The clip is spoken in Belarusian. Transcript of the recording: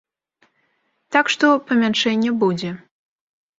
Так што, памяншэнне будзе.